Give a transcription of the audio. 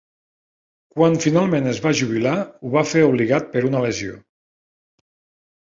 Quan finalment es va jubilar, ho va fer obligat per una lesió.